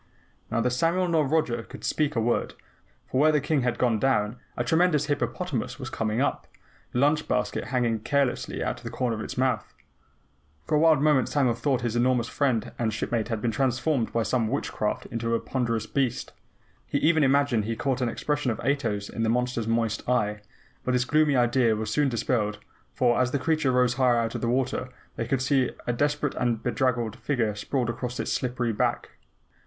Neither Samuel nor Roger could speak a word, for where the King had gone down, a tremendous hippopotamus was coming up, the lunch basket hanging carelessly out of a corner of its mouth. For a wild moment Samuel thought his enormous friend and shipmate had been transformed by some witchcraft into this ponderous beast. He even imagined he caught an expression of Ato's in the monster's moist eye. But this gloomy idea was soon dispelled, for, as the creature rose higher out of the water, they could see a desperate and bedraggled figure sprawled across its slippery back.